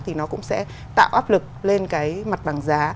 thì nó cũng sẽ tạo áp lực lên cái mặt bằng giá